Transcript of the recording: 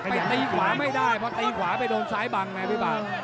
ไม่เข้าไม่เข้าไปตีขวาไม่ได้เพราะตีขวาไปโดนซ้ายบังนะพี่บ้า